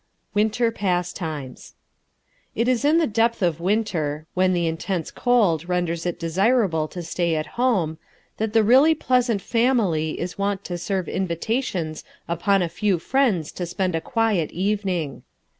Winter Pastimes It is in the depth of winter, when the intense cold renders it desirable to stay at home, that the really Pleasant Family is wont to serve invitations upon a few friends to spend a Quiet Evening.